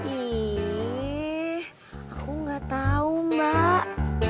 ih aku nggak tahu mbak